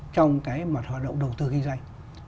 trong cái mặt hoạt động đầu tư kinh doanh